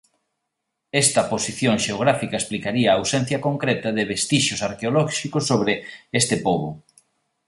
Esta posición xeográfica explicaría a ausencia concreta de vestixios arqueolóxicos sobre este pobo.